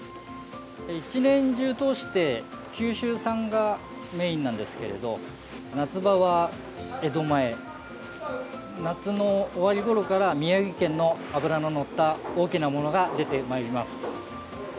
１年中通して九州産がメインなんですけれど夏場は江戸前夏の終わりごろから宮城県の脂ののった大きなものが出てまいります。